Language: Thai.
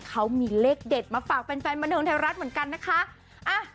เขามีเลขเด็ดมาฝากแฟนบันเทิงไทยรัฐเหมือนกันนะคะ